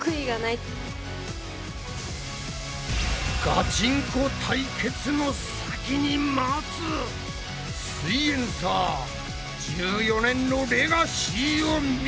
ガチンコ対決の先に待つ「すイエんサー」１４年のレガシーを見よ！